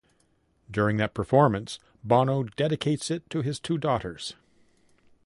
During that performance, Bono dedicates it to his two daughters.